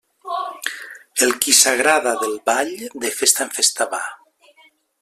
El qui s'agrada del ball, de festa en festa va.